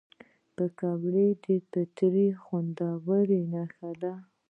پکورې د فطري خوندونو نښه ده